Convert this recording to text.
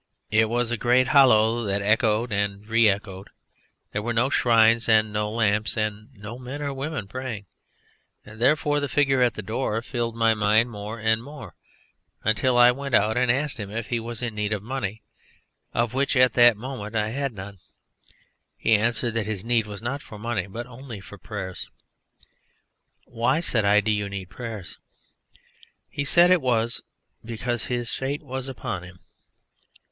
It was a great hollow that echoed and re echoed; there were no shrines and no lamps, and no men or women praying, and therefore the figure at the door filled my mind more and more, until I went out and asked him if he was in need of money, of which at that moment I had none. He answered that his need was not for money but only for prayers. "Why," said I, "do you need prayers?" He said it was because his fate was upon him.